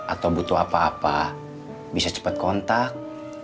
atau butuh apa apa bisa cepat kontak